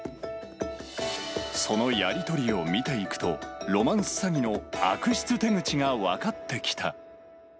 そのやり取りを見ていくと、ロマンス詐欺の悪質手口が分かってきた。